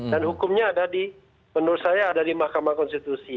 dan hukumnya ada di menurut saya ada di mahkamah konstitusi